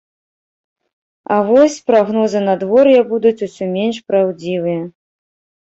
А вось прагнозы надвор'я будуць усё менш праўдзівыя.